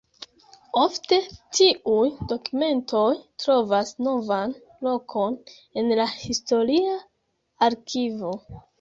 Ofte tiuj dokumentoj trovas novan lokon en la historia arkivo.